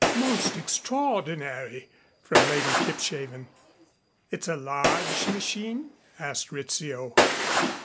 "Most extraordinary!" from Lady Kipshaven. "It's a large machine?" asked Rizzio.